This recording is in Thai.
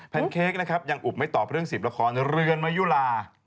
เค้กนะครับยังอุบไม่ตอบเรื่อง๑๐ละครเรือนมายุลา